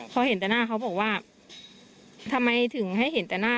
พอเห็นแต่หน้าเขาบอกว่าทำไมถึงให้เห็นแต่หน้า